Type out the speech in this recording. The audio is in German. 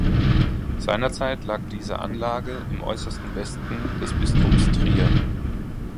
Seinerzeit lag diese Anlage im äußersten Westen des Bistums Trier.